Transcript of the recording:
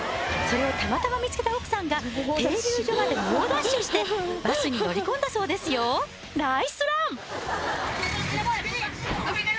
それをたまたま見つけた奥さんが停留所まで猛ダッシュしてバスに乗り込んだそうですよナイスラン！